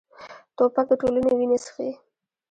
توپک د ټولنې وینه څښي.